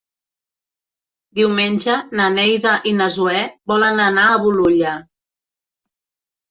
Diumenge na Neida i na Zoè volen anar a Bolulla.